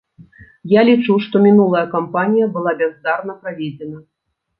Я лічу, што мінулая кампанія была бяздарна праведзена.